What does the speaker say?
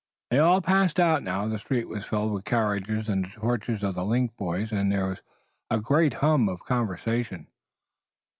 They all passed out now, the street was filled with carriages and the torches of the link boys and there was a great hum of conversation.